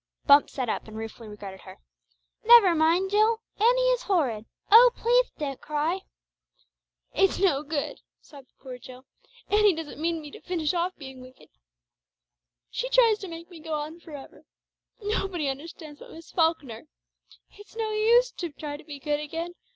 Bumps sat up and ruefully regarded her. "Never mind, Jill. Annie is horrid. Oh, pleath don't cry!" "It's no good," sobbed poor Jill. "Annie doesn't mean me to finish off being wicked. She tries to make me go on for ever. Nobody understands but Miss Falkner. It's no use to try to be good again.